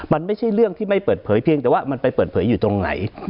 มันไม่ใช่เรื่องที่ไม่เปิดเผยเพียงแต่ว่ามันไปเปิดเผยอยู่ตรงไหน